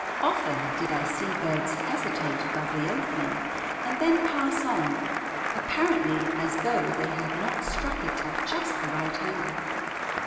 Often did I see birds hesitate above the opening and then pass on, apparently as though they had not struck it at just the right angle.